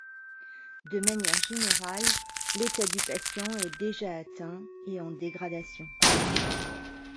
De manière générale, l’état du patient est déjà atteint et en dégradation.